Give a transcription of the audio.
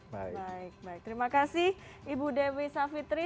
baik baik terima kasih ibu dewi savitri